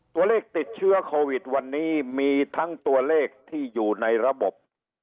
ตัวเลขติดเชื้อโควิดวันนี้มีทั้งตัวเลขที่อยู่ในระบบ